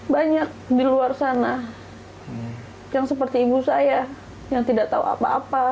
banyak di luar sana yang seperti ibu saya yang tidak tahu apa apa